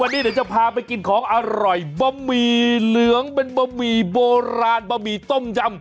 วันนี้เดี๋ยวจะพาไปกินของอร่อยบะหมี่เหลืองเป็นบะหมี่โบราณบะหมี่ต้มยำ